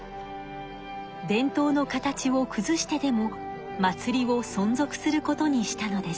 伝統の形をくずしてでも祭りをそん続することにしたのです。